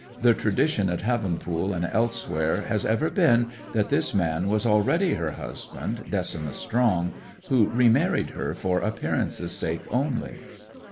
The tradition at Havenpool and elsewhere has ever been that this man was already her husband, Decimus Strong, who remarried her for appearance' sake only.